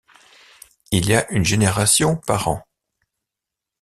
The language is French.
Il y a une génération par an.